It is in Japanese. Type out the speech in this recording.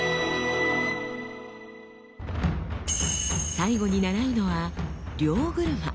最後に習うのは「両車」。